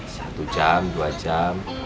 satu jam dua jam